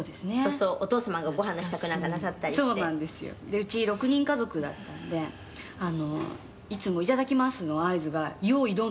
うち６人家族だったんでいつもいただきますの合図が“用意ドン”だったんです」